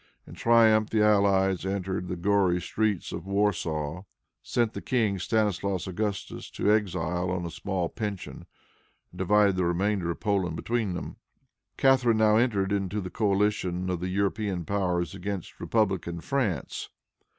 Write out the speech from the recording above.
In triumph the allies entered the gory streets of Warsaw, sent the king, Stanislaus Augustus, to exile on a small pension, and divided the remainder of Poland between them. Catharine now entered into the coalition of the European powers against republican France.